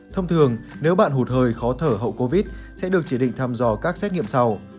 thông thường nếu bạn hụt hơi khó thở hậu covid sẽ được chỉ định thăm dò các xét nghiệm sau